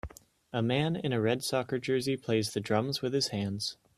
A man in a red soccer jersey plays the drums with his hands